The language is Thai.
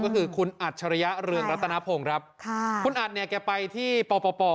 ก็คือคุณอัดฉริยะเรืองรัตนภงคุณอัดเนี่ยคงจะไปที่ปปป